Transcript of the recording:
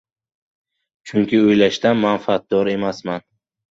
Chunki o‘ylashdan manfaatdor emas.